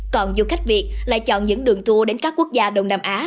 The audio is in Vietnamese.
còn du khách việt lại chọn những đường tour đến các quốc gia đông nam á